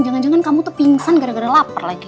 jangan jangan kamu tuh pingsan gara gara lapar lagi